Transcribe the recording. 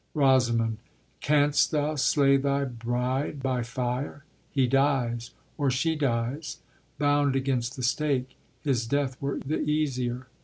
ROSAMUND. Canst thou slay thy bride by fire? He dies, Or she dies, bound against the stake. His death Were the easier.